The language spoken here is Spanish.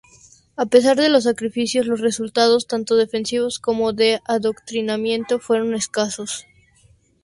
A pesar de los sacrificios, los resultados, tanto defensivos como de adoctrinamiento, fueron escasos.